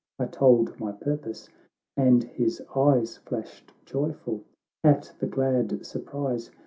1 told my purpose, and his eyes Flashed joyful at the glad surprise.